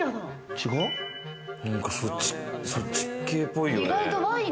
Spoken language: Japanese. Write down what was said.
なんかそっち系っぽいよね。